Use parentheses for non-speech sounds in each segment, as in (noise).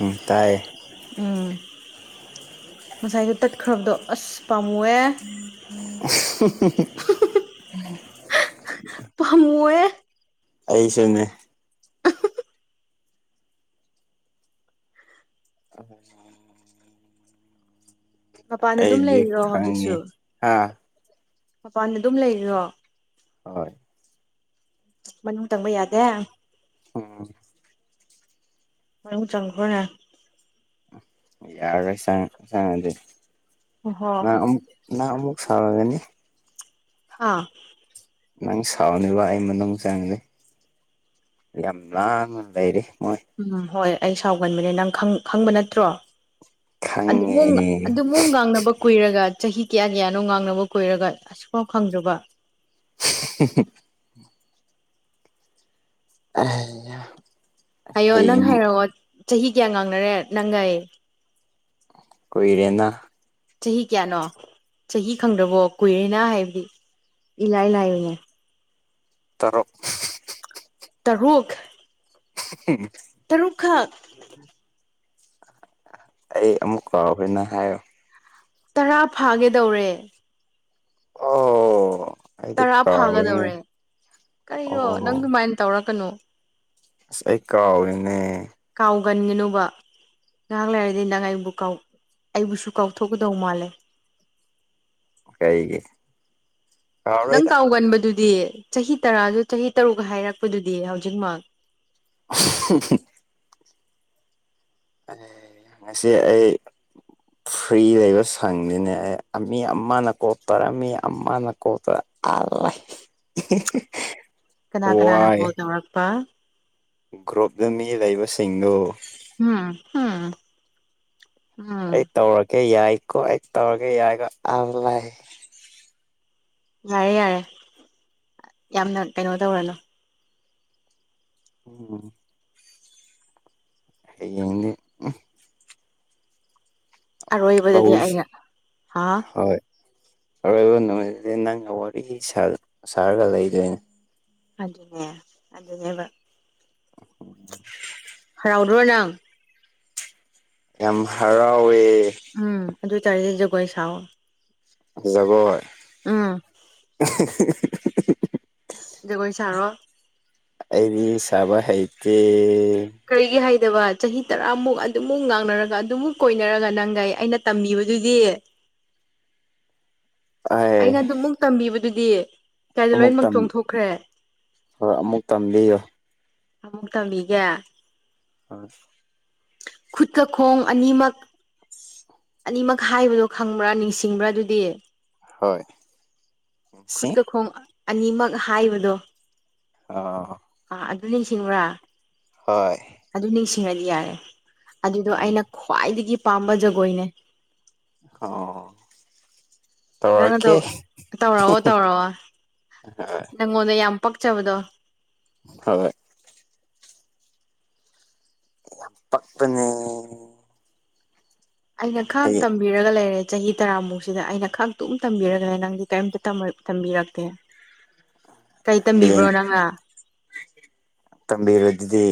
ꯎꯝ ꯇꯥꯏꯌꯦ ꯎꯝ ꯉꯁꯥꯏꯗꯣ ꯇꯠꯈ꯭ꯔꯕꯗꯣ ꯑꯁ ꯄꯥꯝꯃꯨꯑꯦ ꯑꯁ (unintelligible) ꯄꯝꯃꯨꯑꯦ ꯑꯩꯁꯨꯅꯦ꯫ ꯑꯃꯨꯛꯖꯨ ꯃꯄꯥꯟꯗ ꯑꯗꯨꯝ ꯑꯩꯗꯤ ꯂꯩꯔꯤꯔꯣ ꯈꯪꯉꯤ ꯍꯧꯖꯤꯛꯁꯨ ꯍꯥ ꯃꯄꯥꯟꯗ ꯑꯗꯨꯝ ꯂꯩꯔꯤꯔꯣ ꯑꯥ ꯃꯅꯨꯡ ꯇꯪꯕ ꯌꯥꯗꯦ꯫ ꯎꯝ ꯃꯅꯨꯡ ꯆꯪꯈ꯭ꯔꯣꯅꯦ꯫ ꯌꯥꯔꯣꯏ ꯆꯪꯉ ꯆꯪꯉꯗꯤ ꯑꯣꯍꯣ ꯅꯥ ꯑꯃꯨꯛ ꯅ ꯑꯃꯨꯛ ꯁꯥꯥꯎꯔꯒꯅꯤ꯫ ꯍꯥꯥ ꯅꯪ ꯁꯥꯎꯔꯅꯤꯕ ꯑꯩ ꯃꯅꯨꯡ ꯆꯪꯉꯗꯤ ꯌꯥꯝ ꯂꯥꯡꯉ ꯂꯩꯔꯤ ꯃꯣꯏ ꯎꯝ ꯍꯣꯏ ꯑꯩ ꯁꯥꯎꯒꯟꯕꯅꯦ ꯅꯪ ꯈꯪ ꯈꯪꯕ ꯅꯠꯇ꯭ꯔꯣ ꯈꯪꯉꯦ ꯑꯗꯨꯃꯨꯛ ꯉꯥꯡ ꯑꯗꯨꯃꯨꯛ ꯉꯥꯡꯅꯕ ꯀꯨꯏꯔꯒ ꯆꯍꯤ ꯀꯌꯥ ꯀꯌꯥꯅꯣ ꯉꯥꯡꯅꯕ ꯀꯨꯏꯔꯒ ꯑꯁꯨꯛꯐꯥꯎ ꯈꯪꯗ꯭ꯔꯥꯕ (unintelligible) (unintelligible) ꯍꯥꯏꯌꯣ ꯅꯪ ꯍꯌꯦꯡ ꯍꯥꯏꯔꯛꯑꯣ ꯆꯍꯤ ꯀꯌꯥ ꯉꯥꯡꯅꯔꯦ ꯅꯪꯒ ꯑꯩ ꯀꯨꯏꯔꯦꯅ ꯆꯍꯤ ꯀꯌꯥꯅꯣ ꯆꯍꯤ ꯈꯪꯗ꯭ꯔꯕꯣ ꯀꯨꯏꯔꯦꯅ ꯍꯥꯏꯕꯗꯤ ꯏꯂꯥꯏ ꯂꯌꯅꯦ꯫ ꯇꯥꯔꯨꯛ꯫ ꯇꯔꯨꯛ꯫ ꯎꯝ ꯇꯔꯨꯛ ꯈꯛ ꯑꯩ ꯑꯃꯨꯛ ꯀꯥꯎꯈꯦꯅ ꯍꯥꯏꯔꯣ ꯇꯔꯥ ꯐꯥꯒꯦꯗꯧꯔꯦ꯫ ꯑꯣ ꯑꯩꯗꯤ ꯇꯔꯥ ꯀꯥꯎꯋꯦꯅꯦ ꯐꯥꯒꯗꯧꯔꯦ ꯀꯔꯤꯔꯣ ꯑꯣ ꯅꯪ ꯑꯗꯨꯃꯥꯏꯅ ꯇꯧꯔꯛꯀꯅꯣ ꯑꯁ ꯑꯩ ꯀꯥꯎꯔꯤꯅꯦ꯫ ꯀꯥꯎꯒꯟꯒꯅꯨꯕ ꯉꯥꯏꯍꯥꯛ ꯂꯩꯔꯗꯤ ꯅꯪ ꯑꯩꯕꯨ ꯀꯥꯎ ꯑꯩꯕꯨꯁꯨ ꯀꯥꯎꯊꯣꯛꯀꯗꯧ ꯃꯥꯜꯂꯦ꯫ ꯀꯩꯒꯤ꯫ ꯅꯪ ꯀꯥꯎꯔꯣꯏꯗ ꯀꯥꯎꯒꯟꯕꯗꯨꯗꯤ ꯆꯍꯤ ꯇꯔꯥꯗꯨ ꯆꯍꯤ ꯇꯔꯨꯛꯀ ꯍꯥꯏꯔꯛꯄꯗꯨꯗꯤ ꯍꯧꯖꯤꯛꯃꯛ (unintelligible) ꯑ ꯉꯁꯤ ꯑꯩꯥ ꯐ꯭ꯔꯤ ꯂꯩꯕ ꯁꯪꯅꯤꯅꯦ ꯑꯩ ꯃꯤ ꯑꯃꯅ ꯀꯣꯛꯇꯔ ꯃꯤ ꯑꯃꯅ ꯀꯣꯛꯇꯔ (unintelligible) ꯀꯅꯥ ꯀꯅꯥꯅ ꯀꫭꯜ ꯇꯧꯔꯛꯄ ꯒ꯭ꯔꯨꯞꯇ ꯃꯤ ꯂꯩꯕꯁꯤꯡꯗꯨ ꯎꯝ ꯎꯝ ꯎꯝ ꯑꯩ ꯇꯧꯔꯒꯦ ꯌꯥꯏꯀꯣ ꯑꯩ ꯇꯧꯔꯒꯦ ꯌꯥꯏꯀꯣ ꯑꯥ ꯂꯥꯏ꯫ ꯌꯥꯔꯦ ꯌꯥꯔꯦ ꯌꯥꯝꯅ ꯀꯩꯅꯣ ꯇꯧꯔꯅꯨ ꯎꯝ ꯑꯩ ꯌꯦꯡꯗꯤ꯫ ꯑꯔꯣꯏꯕꯗꯗꯤ ꯍꯣꯏ ꯑꯩꯅ ꯍꯥ ꯑꯔꯣꯏꯕ ꯅꯨꯃꯤꯠꯁ ꯅꯪꯅ ꯋꯥꯔꯤ ꯁꯥꯔꯒ ꯂꯩꯗꯣꯏꯅꯦ꯫ ꯑꯗꯨꯅ‌ꯦ ꯑꯗꯨꯅ‌ꯦꯕ꯫ (unintelligible) ꯔꯥꯎꯔꯅꯪ ꯌꯥꯝ ꯍꯔꯥꯎꯋꯦ꯫ ꯎꯝ ꯑꯗꯨ ꯑꯣꯏꯇꯥꯔꯗꯤ ꯖꯒꯣꯏ ꯁꯥꯥꯎꯌꯣ ꯖꯒꫭꯏ ꯎꯝ ꯖꯒꯣꯏ ꯁꯔꯣ ꯑꯩꯗꯤ ꯁꯥꯕ ꯍꯩꯇꯦ ꯀꯔꯤꯒꯤ ꯍꯩꯇꯕ ꯆꯍꯤ ꯇꯔꯥꯃꯨꯛ ꯑꯗꯨꯃꯨꯛ ꯉꯥꯡꯅꯔꯒ ꯑꯗꯨꯃꯨꯛ ꯀꯣꯏꯅꯔꯒ ꯅꯪꯒ ꯑꯩꯅ ꯇꯝꯕꯤꯕꯗꯨꯗꯤ ꯑꯩ ꯑꯩꯅ ꯑꯗꯨꯝꯃꯨꯛ ꯇꯝꯕꯤꯕꯗꯨꯗꯤ ꯀꯥꯏꯗ ꯑꯃꯨꯛ ꯂꯣꯏꯃꯛ ꯇꯝ ꯆꯣꯡꯊꯣꯛꯈ꯭ꯔꯦ ꯍꯣꯏ ꯑꯃꯨꯛ ꯇꯝꯕꯤꯌꯣ ꯑꯃꯨꯛ ꯇꯝꯕꯤꯒ‌ꯦ ꯑꯁ ꯈꯨꯠꯀ ꯈꯣꯡ ꯑꯅꯤꯃꯛ ꯑꯅꯤꯃꯛ ꯍꯥꯏꯕꯗꯣ ꯈꯪꯕ꯭ꯔꯥ ꯅꯤꯡꯁꯤꯡꯕ꯭ꯔꯥ ꯑꯗꯨꯗꯤ ꯍꯣꯏ ꯁꯤ ꯈꯨꯠꯀ ꯈꯣꯡ ꯑꯅꯤꯃꯛ ꯍꯥꯏꯕꯗꯣ ꯑ ꯑꯥ ꯑꯗꯨ ꯅꯤꯡꯁꯤꯡꯕ꯭ꯔꯥ ꯍꯣꯏ ꯑꯗꯨ ꯅꯤꯡꯁꯤꯡꯉꯗꯤ ꯌꯥꯔꯦ ꯑꯗꯨꯗꯣ ꯎꯝ ꯑꯩꯅ ꯈ꯭ꯋꯥꯏꯗꯒꯤ ꯄꯥꯝꯕ ꯖꯒꯣꯏꯅꯦ ꯑꯣ ꯅꯪꯗꯣ ꯇꯧꯔꯛꯀꯦ ꯇꯧꯔꯛꯑꯣ ꯇꯧꯔꯛꯑꯣ ꯍꯣꯏ ꯅꯪꯉꯣꯟꯗ ꯌꯥꯝ ꯄꯛꯆꯕꯗꯣ ꯍꯣꯏ ꯌꯥꯝ ꯄꯛꯄꯅꯦ ꯑꯩ ꯅ ꯈꯛ ꯇꯝ ꯍꯌꯦꯡ ꯇꯝꯕꯤꯔꯒ ꯂꯩꯔꯦ ꯆꯍꯤ ꯇꯔꯥꯃꯨꯛꯁꯤꯗ ꯑꯩꯅ ꯈꯥꯛꯇꯨꯝ ꯇꯝꯕꯤꯔꯒꯅꯦ ꯅꯪꯗꯤ ꯀꯔꯤꯝꯇ ꯇꯝꯕꯤꯔꯛꯇꯦ ꯀꯩ ꯇꯝꯕꯤꯕ꯭ꯔꯣ ꯅꯪꯅ ꯇꯝꯕꯤꯔꯗꯨꯗꯤ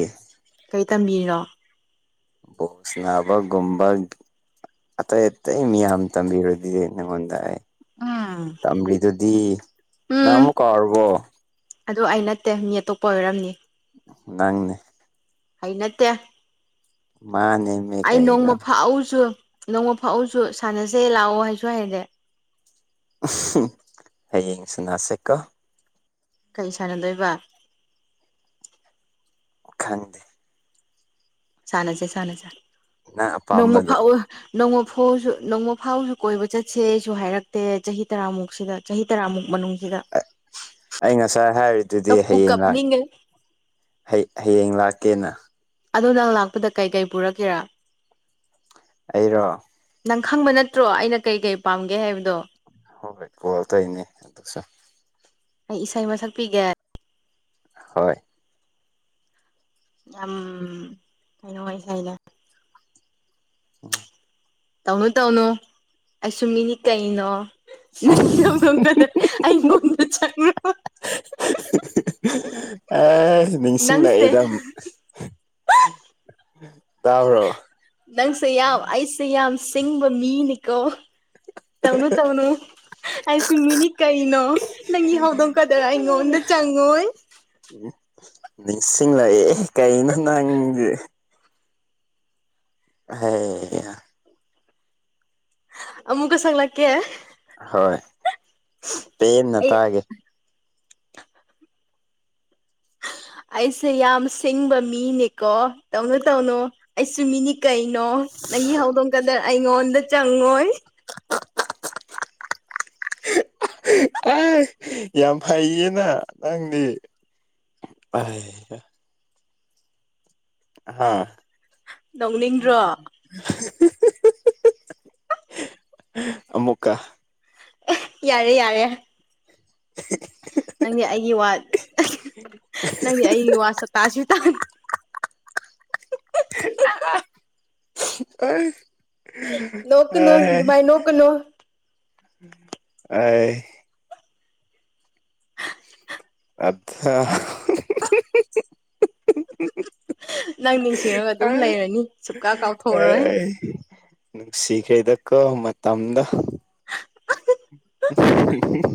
ꯀꯩ ꯇꯝꯕꯤꯔꯤꯅꯣ (unintelligible) ꯑꯇꯩ ꯑꯇꯩ ꯃꯤꯌꯥꯝꯝ ꯇꯝꯕꯤꯔꯗꯨꯗꯤ ꯅꯉꯣꯟꯗꯑꯩ ꯎꯝ ꯇꯝꯒꯔꯤꯗꯨꯗꯤ ꯅ ꯍꯥꯟꯃꯨꯛ ꯀꯥꯎꯔꯕꯣ ꯑꯗꯣ ꯑꯩ ꯅꯠꯇꯦ ꯃꯤ ꯑꯇꯣꯞꯄ ꯑꯣꯏꯔꯝꯅꯤ ꯅꯪꯅꯤ ꯑꯩꯅꯠꯇꯦ ꯃꯥꯅꯦ ꯑꯩ ꯅꯣꯡꯃ ꯐꯥꯛꯎꯁꯨ ꯅꯣꯡꯃ ꯐꯥꯛꯎꯁꯨ ꯁꯥꯟꯅꯖꯦ ꯂꯥꯛꯑꯣ ꯍꯥꯏꯁꯨ ꯍꯥꯏꯗꯦ ꯍꯌꯦꯡꯁꯅꯥꯁꯦꯀꯣ ꯀꯩ ꯁꯥꯟꯅꯗꯣꯏꯕ ꯈꯪꯗꯦ ꯁꯥꯟꯅꯁꯦ ꯁꯥꯟꯅꯁꯦ ꯅꯪ ꯅꯣꯡꯃ ꯑꯄꯥꯝꯕꯗꯣ ꯐꯥꯎ ꯅꯣꯡꯃ ꯐꯥꯎꯁꯨ ꯅꯣꯡꯃ ꯐꯥꯎꯁꯨ ꯀꯣꯏꯕ ꯆꯠꯁꯦ ꯑꯩꯁꯨ ꯍꯥꯏꯔꯛꯇꯦ ꯆꯍꯤ ꯇꯔꯥꯃꯨꯛꯁꯤꯗ ꯆꯍꯤ ꯇꯔꯥꯃꯨꯛ ꯃꯅꯨꯡꯁꯤꯗ ꯑꯩ ꯉꯁꯥꯏ ꯍꯥꯏꯔꯤꯗꯨꯗꯤ ꯀꯞꯄꯨ ꯍꯌꯦꯡ ꯂꯥꯛ ꯀꯞꯅꯤꯡꯒꯦ ꯍꯌꯦꯡ ꯂꯥꯛꯀꯦꯅ ꯑꯗꯣ ꯅꯪ ꯂꯥꯛꯄꯗ ꯀꯩꯀꯩ ꯄꯨꯔꯛꯀꯦꯔꯥ ꯑꯩꯔꯣ ꯅꯪ ꯈꯪꯕ ꯅꯠꯇ꯭ꯔꯣ ꯑꯩꯅ ꯀꯩ ꯀꯩ ꯄꯥꯝꯒꯦ ꯍꯥꯏꯕꯗꯣ ꯍꯣꯏ ꯍꯣꯏ ꯄꯨꯔꯛꯇꯣꯏꯅꯦ ꯑꯗꯨꯁꯨ ꯑꯩ ꯏꯁꯩ ꯃ ꯁꯛꯄꯤꯒꯦ ꯍꯣꯏ (unintelligible) ꯎꯝ ꯇꯧꯅꯨ ꯇꯧꯅꯨ ꯑꯩꯁꯨꯨ ꯃꯤꯅꯤ ꯀꯩꯅꯣ (unintelligible) ꯑꯦ ꯅꯤꯡꯁꯤꯡ ꯅꯪꯁꯦ ꯂꯥꯛꯑꯦꯗ ꯇꯥꯕ꯭ꯔꯣ ꯅꯪꯁꯦ ꯌꯥꯝ ꯑꯩꯁꯦ ꯌꯥꯝ ꯁꯤꯡꯕ ꯃꯤꯅꯤꯀꯣ ꯇꯧꯅꯨ ꯇꯧꯅꯨ ꯑꯩꯁꯨ ꯃꯤꯅꯤ ꯀꯩꯅꯣ ꯅꯪꯒꯤ ꯍꯧꯗꯣꯡꯀꯗꯔꯥ ꯑꯩꯉꯣꯟꯗ ꯆꯪꯉꯣꯏ ꯎ ꯅꯤꯡꯁꯤꯡꯂꯛꯑꯦ ꯀꯩꯅꯣ ꯅꯪꯗꯤ ꯍꯦ (unintelligible) ꯑꯃꯨꯛꯀ ꯁꯛꯂꯛ ꯀꯦ ꯍꯣꯏ ꯄꯦꯟꯅ ꯑꯩ ꯇꯥꯒꯦ ꯑꯩꯁꯦ ꯌꯥꯝ ꯁꯤꯡꯕ ꯃꯤꯅꯤꯀꯣ ꯇꯧꯅꯨ ꯇꯧꯅꯨ ꯑꯩꯁꯨ ꯃꯤꯅꯤ ꯀꯩꯅꯣ ꯅꯪꯒꯤ ꯍꯧꯗꯣꯡꯀꯗ ꯑꯩꯉꯣꯟꯗ ꯆꯪꯉꯣꯏ ꯑꯦ ꯌꯥꯝ ꯐꯩꯌꯦꯅ ꯅꯪꯗꯤ (unintelligible) ꯍꯥꯥ ꯅꯣꯛꯅꯤꯡꯗ꯭ꯔꯣ (unintelligible) ꯑꯃꯃꯨꯀꯥ ꯌꯥꯔꯦ ꯌꯥꯔꯦ ꯅꯪꯗꯤ ꯑꯩꯒꯤ ꯋꯥ ꯅꯪꯗꯤ ꯑꯩꯒꯤ ꯋꯥ ꯇꯥꯁꯨ ꯇ (unintelligible) ꯑꯩ ꯑ ꯅꯣꯛꯀꯅꯨ ꯑꯗꯨꯃꯥꯏꯅ ꯅꯣꯛꯀꯅꯨ (unintelligible) ꯑꯩ (unintelligible) (unintelligible) ꯅꯪ ꯅꯤꯡꯁꯤꯡꯔꯒ ꯑꯗꯨꯝ ꯂꯩꯔꯅꯤ ꯁꯨꯛꯀꯥ ꯀꯥꯎꯊꯣꯛꯑꯔꯣꯏ ꯑꯩ ꯅꯨꯡꯁꯤꯈ꯭ꯔꯦꯗꯀꯣ ꯃꯇꯝꯗꯣ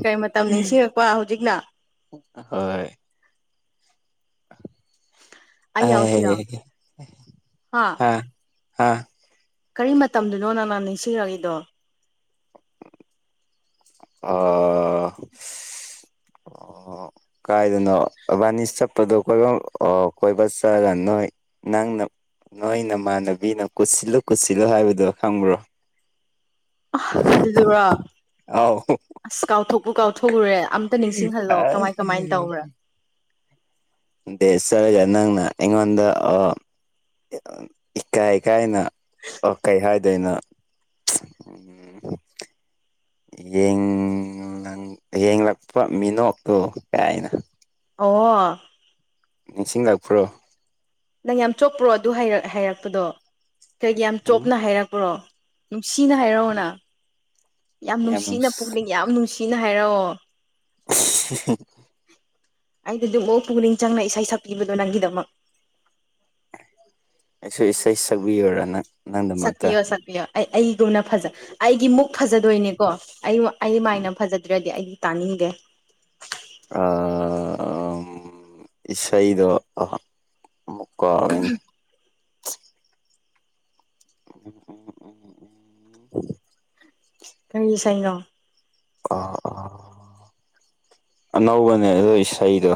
ꯀꯔꯤ ꯃꯇꯝ ꯅꯤꯡꯁꯤꯡꯉꯛꯄ ꯍꯧꯖꯤꯛꯅ ꯍꯣꯏ ꯑꯩ ꯌꯥꯎꯁꯨ ꯌꯥꯎ ꯍꯥ (unintelligible) ꯑ ꯑ ꯀꯔꯤ ꯃꯇꯝꯗꯨꯅꯣ ꯅꯪꯅ ꯅꯤꯡꯁꯤꯡꯉꯛꯏꯗꯣ ꯑꯣ (unintelligible) ꯀꯥꯏꯗꯅꯣ ꯑꯕꯥꯅꯤ ꯆꯠꯄꯗꯣ ꯀꯣꯏꯕ ꯀꯣꯏꯕ ꯆꯠꯂ ꯅꯣꯏ ꯅꯪꯅ ꯅꯣꯏ ꯅꯃꯥꯟꯅꯕꯤꯅ ꯀꯨꯁꯤꯜꯂꯨ ꯀꯨꯁꯤꯜꯂꯨ ꯍꯥꯏꯕꯗꯣ ꯈꯪꯕ꯭ꯔꯣ ꯑꯗꯨꯗꯨꯔꯣ ꯑꯥꯎ ꯑꯁ ꯀꯥꯎꯊꯣꯛꯎ ꯀꯥꯎꯊꯣꯛꯎꯨꯔꯦ ꯑꯝꯇ ꯅꯤꯡꯁꯤꯡꯍꯜꯂꯣ ꯀꯃꯥꯏ ꯀꯃꯥꯏꯅ ꯇꯧꯕ꯭ꯔꯥ ꯗꯦ ꯁꯔꯦꯖ ꯅꯪꯅ ꯏꯉꯣꯟꯗ ꯑ ꯏꯀꯥꯏꯀꯥꯏꯅ ꯀꯩ ꯍꯥꯏꯗꯣꯏꯅꯣ ꯎꯝ (inaudible) ꯌꯦꯡꯂꯛꯄ ꯃꯤꯅꯣꯛꯇꯣ ꯀꯥꯏꯅ ꯑꯣ ꯅꯤꯡꯁꯤꯡꯂꯥꯛꯄ꯭ꯔꯣ ꯅꯪ ꯌꯥꯝ ꯆꯣꯞꯄ꯭ꯔꯣ ꯑꯗꯨꯛ ꯍꯥꯏꯔꯛꯄꯗꯣ ꯀꯩꯒꯤ ꯌꯥꯝ ꯎꯝ ꯆꯣꯞꯅ ꯍꯥꯏꯔꯛꯄ꯭ꯔꯣ ꯅꯨꯡꯁꯤꯅ ꯍꯥꯏꯔꯛꯑꯣꯅ ꯌꯥꯝ ꯅꯨꯡꯁꯤꯅ ꯄꯨꯛꯅꯤꯡ ꯌꯥꯝ ꯅꯨꯡꯁꯤꯅ ꯍꯥꯏꯔꯛꯑꯣ (unintelligible) ꯑꯩꯗꯤ ꯑꯗꯨꯐꯛ ꯄꯨꯛꯅꯤꯡ ꯆꯪꯅ ꯏꯁꯩ ꯁꯛꯄꯤꯕꯗꯣ ꯅꯪꯒꯤꯗꯃꯛ ꯑꯩꯁꯨ ꯏꯁꯩ ꯁꯛꯕꯤꯌꯨꯔꯅ ꯁꯛꯄꯤꯌꯣ ꯁꯛꯄꯤꯌꯣ ꯑꯩ ꯑꯩꯗꯨꯅ ꯐꯖ ꯑꯩꯒꯤ ꯃꯨꯛ ꯐꯖꯗꯣꯏꯅꯦꯀꯣ ꯑꯩ ꯑꯩ ꯃꯥꯏꯅ ꯐꯖꯗ꯭ꯔꯗꯤ ꯑꯩꯗꯤ ꯇꯥꯅꯤꯡꯗꯦ ꯑ ꯏꯁꯩꯗꯣ ꯑꯃꯨꯛ ꯀ (unintelligible) ꯀꯥꯎꯔꯦꯅꯦ (unintelligible) ꯀꯩ ꯏꯁꯩꯅꯣ ꯑꯥ ꯑꯥ (inaudible) ꯑꯅꯧꯕꯅꯦ ꯑꯗꯣ ꯏꯁꯩꯗꯣ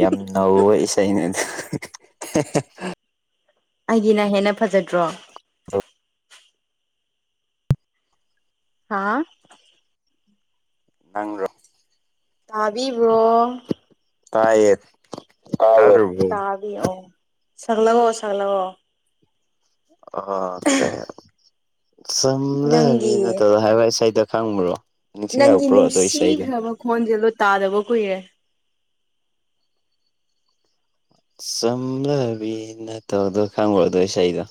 ꯌꯥꯝ ꯅꯧ ꯏꯁꯩꯅꯦ ꯑꯗꯨ ꯑꯩꯒꯤꯅ ꯍꯦꯟꯅ ꯐꯖꯗ꯭ꯔꯣ ꯍꯥꯥ ꯅꯪꯔꯣ ꯇꯥꯕꯤꯕ꯭ꯔꯣ ꯇꯥꯏꯌꯦ ꯇꯥꯗ꯭ꯔꯕꯣ ꯇꯥꯕꯤ ꯕꯤ ꯑꯣ ꯁꯪꯂꯉꯣ ꯁꯪꯂꯑꯣ ꯑꯣ ꯑꯣꯀꯦ ꯆꯝꯂꯕꯤ ꯅꯪꯒꯤ ꯅꯠꯇ ꯍꯥꯏꯕ ꯁꯗ ꯈꯪꯕ꯭ꯔꯣ ꯅꯪꯒꯤ ꯅꯤꯡꯁꯤꯡꯉꯛꯄ꯭ꯔꯣ ꯑꯗꯨ ꯏꯁꯩꯗꯣ ꯅꯨꯡꯁꯤꯈ꯭ꯔꯕ ꯈꯣꯟꯁꯦ ꯂꯣ ꯇꯥꯗꯕ ꯀꯨꯏꯔꯦ ꯆꯝꯅꯕꯤꯅ ꯇꯧꯗꯣ ꯈꯪꯉꯨꯔꯗꯣ ꯏꯁꯩꯗꯣ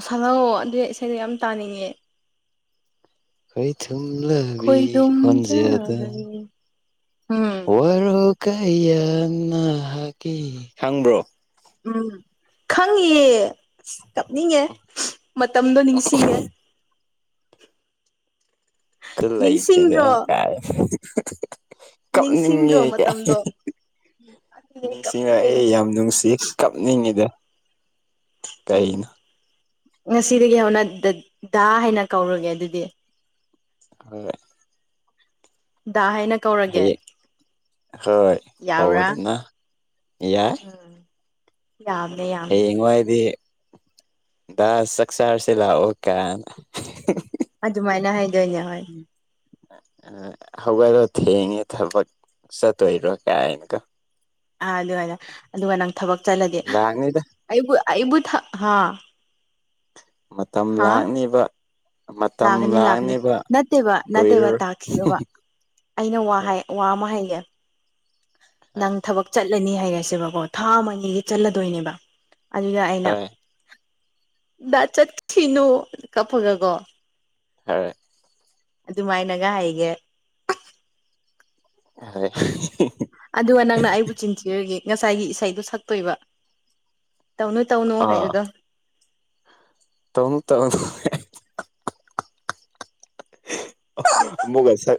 ꯑꯁꯍꯛꯑꯣ ꯑꯗꯨ ꯏꯁꯩꯗ ꯌꯥꯝ ꯇꯥꯅꯤꯡꯉꯦ ꯀꯩ ꯊꯨꯝꯂ ꯈꯣꯏꯗꯝ ꯆꯝ ꯋꯥꯔꯣ ꯀꯌꯥꯅꯒ ꯈꯪꯕ꯭ꯔꯣ ꯎꯝ ꯈꯪꯉ ꯑꯁ ꯇꯞꯅꯤꯡꯉꯦ ꯃꯇꯝꯗꯣ ꯅꯤꯡꯁꯤꯡꯉꯦ ꯀꯜꯂ ꯏꯦꯗ ꯅꯤꯡꯁꯤꯡꯗ꯭ꯔꯣ ꯀꯥꯏ ꯅꯤꯡꯁꯤꯡꯗ꯭ꯔꯣ ꯀꯞꯅꯤꯡꯉꯦ ꯃꯇꯝꯗꯣ ꯑꯗꯨꯅꯦ ꯃꯤꯁꯤꯡꯅ ꯀꯞꯅꯤꯡꯉꯦ ꯑꯩ ꯌꯥꯝ ꯅꯨꯡꯁꯤ ꯀꯗ ꯎꯝ ꯉꯁꯤꯗꯒꯤ ꯍꯧꯅ ꯗꯗꯥ ꯍꯥꯏꯅ ꯀꯧꯔꯒꯦ ꯑꯗꯨꯗꯤ ꯑꯗꯨꯒꯣꯏ ꯗꯗꯥ ꯍꯥꯏꯅ ꯀꯧꯔꯒꯦ ꯍꯌꯦꯡ ꯍꯣꯏ ꯌꯥꯕ꯭ꯔꯥ ꯐꯥꯎꯕꯗꯅ ꯌꯥꯏ ꯌꯥꯕꯗ ꯌꯥ ꯍꯌꯦꯡ ꯅꯨꯡꯉꯥꯏꯗꯤ ꯗ ꯆꯛꯁꯥ ꯍꯥꯔꯁꯤꯂ ꯑꯣ ꯀ ꯑꯗꯨꯃꯥꯏꯅ ꯍꯥꯏꯗꯣꯏꯅꯦ ꯍꯣꯏ ꯍꯧꯒꯠꯂꯣ ꯊꯦꯡꯉꯦ ꯊꯕꯛ ꯆꯠꯇꯣꯏꯔꯣ ꯀꯥꯏꯅꯀꯣ ꯑꯥ ꯑꯗꯨꯃꯥꯏꯅ ꯑꯗꯨꯒ ꯅꯪ ꯊꯕꯛ ꯆꯠꯂꯗꯤ ꯂꯥꯛꯅꯤꯗ ꯑꯩꯕꯨ ꯑꯩꯕꯨ ꯑꯥ ꯃꯇꯝ ꯂꯥꯛꯅꯤꯕ ꯃꯇꯝ ꯂꯥꯛꯅꯤ ꯂꯒꯅꯤ ꯂꯥꯛꯅꯤꯕ ꯅꯠꯇꯕ ꯅꯠꯇꯕ ꯀꯨꯏꯔꯔꯣꯏ ꯇꯥꯀꯤꯣ ꯋꯥ ꯑꯩꯅ ꯋꯥ ꯑꯃ ꯍꯥꯏꯩꯒꯦ ꯍꯣꯏ ꯅꯪ ꯊꯕ ꯆꯠꯂꯅꯤ ꯍꯥꯏꯔꯁꯦꯕꯀꯣ ꯊꯥ ꯑꯃ ꯑꯅꯤꯒꯤ ꯆꯠꯂꯗꯣꯏꯅꯦꯕ ꯑꯗꯨꯗ ꯑꯩꯅ ꯍꯣꯏ ꯆꯠ ꯊꯅꯨ ꯀꯞꯄꯒꯒꯣ ꯍꯥꯏ ꯑꯗꯨꯃꯥꯏꯅꯒ ꯍꯥꯏꯒꯦ ꯑꯦ ꯑꯗꯨꯒ ꯅꯪꯅ ꯑꯩꯕꯨ ꯆꯤꯟꯊꯔꯒꯦ ꯉꯁꯥꯏꯒꯤ ꯏꯁꯩꯗꯣ ꯁꯛꯇꯣꯏꯕ ꯇꯧꯅꯨ ꯇꯧꯅꯨ ꯍꯥꯏꯗꯨꯗꯣ ꯇꯧ ꯇꯧ ꯑꯃꯨꯛꯀ ꯁꯛ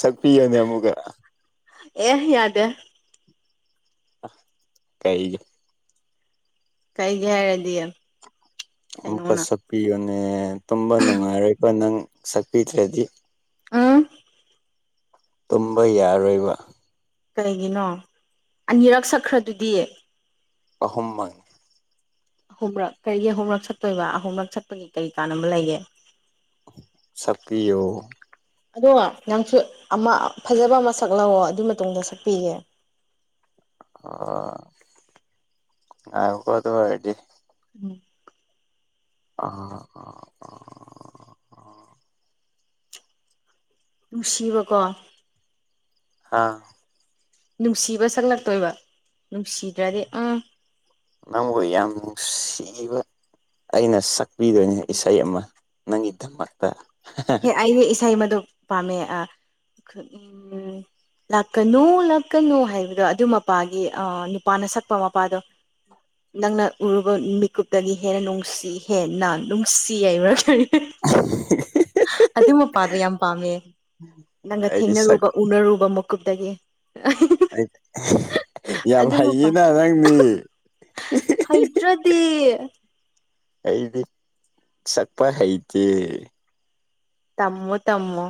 ꯁꯛꯄꯤꯌꯣꯅꯦ ꯑꯃꯨꯛꯀ ꯑꯦ ꯌꯥꯗꯦ ꯀꯩꯖ ꯀꯩꯒꯦꯔꯗꯤ ꯑꯃꯨꯛꯀ ꯁꯛꯄꯤꯌꯨꯅꯦ ꯇꯨꯝꯕ ꯅꯨꯡꯉꯥꯏꯔꯣꯏꯕ ꯅꯪ ꯁꯛꯄꯤꯗ꯭ꯔꯗꯤ ꯎꯝ ꯇꯨꯝꯕ ꯌꯥꯔꯣꯏꯕ ꯀꯩꯒꯤꯅꯣ ꯑꯅꯤꯔꯛ ꯁꯛꯈ꯭ꯔꯗꯨꯗꯤ ꯑꯍꯨꯝ ꯃꯉ ꯑꯍꯨꯝꯔꯛ ꯀꯔꯤꯒꯤ ꯑꯍꯨꯝꯔꯛ ꯁꯠꯇꯣꯏꯕ ꯑꯍꯨꯝꯂꯛ ꯁꯠꯄꯒꯤ ꯀꯔꯤ ꯀꯥꯟꯅꯕ ꯂꯩꯒꯦ ꯁꯛꯄꯤ꯭ꯌꯣ ꯑꯗꯣ ꯅꯪꯁꯨ ꯑꯃ ꯐꯖꯕ ꯑꯃ ꯁꯛ ꯂꯥꯛꯑꯣ ꯑꯗꯨ ꯃꯇꯨꯡꯗ ꯁꯛꯄꯤꯒꯦ ꯑꯣ ꯉꯥꯏꯌꫭꯀꯥ ꯑꯗꫭ ꯑꫭꯏꯗꯤ ꯎꯝ ꯑ ꯅꯨꯡꯁꯤꯕꯀꯣ ꯑꯥ ꯅꯨꯡꯁꯤꯕ ꯁꯛꯂꯛꯇꯣꯏꯕ ꯅꯨꯡꯁꯤꯗ꯭ꯔꯗꯤ ꯑꯥ ꯅꯪꯕꯨ ꯌꯥꯝ ꯅꯨꯡꯁꯤꯕ ꯑꯩꯅ ꯁꯛꯄꯤꯗꯣꯏꯅꯦ ꯏꯁꯩ ꯑꯃ ꯅꯪꯒꯤꯗꯃꯛꯇ ꯍꯦ ꯑꯩ ꯏꯁꯩ ꯃꯗꯣ ꯄꯥꯝꯃꯦ (unintelligible) ꯂꯥꯛꯀꯅꯨ ꯂꯥꯛꯀꯅꯨ ꯍꯥꯏꯕꯗꯣ ꯑꯗꯨ ꯃꯄꯥꯒꯤ ꯑ ꯅꯨꯄꯥꯅ ꯁꯛꯄ ꯃꯄꯥꯗꯣ ꯅꯪꯅ ꯎꯔꯨꯕ ꯃꯤꯀꯨꯞꯇꯒꯤ ꯍꯦꯟꯅ ꯅꯨꯡꯁꯤ ꯍꯦꯟꯅ ꯅꯨꯡꯁꯤ ꯌꯏꯕ꯭ꯔ (unintelligible) (unintelligible) ꯑꯗꯨ ꯃꯄꯥꯗꯨ ꯌꯥꯝ ꯄꯥꯝꯃꯦ ꯅꯪꯒ ꯑꯩꯗꯤ ꯁꯛ ꯊꯦꯡꯅꯔꯨꯕ ꯎꯅꯔꯨꯕ ꯃꯀꯨꯞꯇꯒꯤ (unintelligible) (unintelligible) ꯌꯥꯝ ꯑꯗꯨ ꯃꯄꯥ ꯍꯩꯌꯦꯅ ꯅꯪꯗꯤ (unintelligible) ꯍꯩꯇ꯭ꯔꯗꯤ ꯑꯩꯗꯤ ꯁꯛꯄ ꯍꯩꯇꯦ ꯇꯝꯃꯣ ꯇꯝꯃꯣ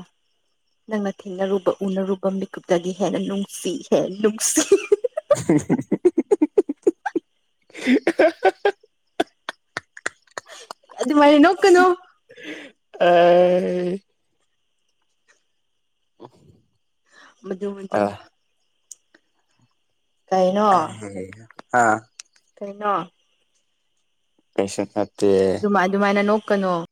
ꯅꯪꯅ ꯊꯦꯡꯅꯔꯨꯕ ꯎꯅꯔꯨꯕ ꯃꯤꯀꯨꯞꯇꯒꯤ ꯍꯦꯟꯅ ꯅꯨꯡꯁꯤ ꯍꯦ ꯅꯨꯡꯁꯤ (unintelligible) (unintelligible) ꯑꯗꯨꯃꯥꯏ ꯅꯣꯛꯀꯅꯣ ꯑꯥ (unintelligible) (inaudible) ꯃꯗꯨ ꯃꯗꯨ ꯀꯩꯅꯣ (unintelligible) ꯑꯥ ꯀꯩꯅꯣ ꯀꯩꯁꯨ ꯅꯠꯇꯦ ꯗꯨꯃꯥꯏ ꯑꯗꯨꯃꯥꯏꯅ ꯅꯣꯛꯀꯅꯣ